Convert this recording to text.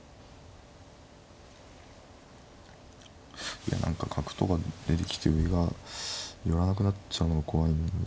いや何か角とか出てきて上が寄らなくなっちゃうのが怖いんだよな。